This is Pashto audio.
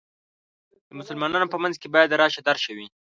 د مسلمانانو په منځ کې باید راشه درشه وي.